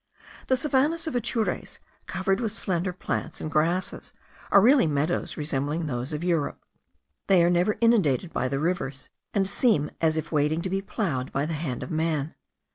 The savannahs of Atures, covered with slender plants and grasses, are really meadows resembling those of Europe. They are never inundated by the rivers, and seem as if waiting to be ploughed by the hand of man.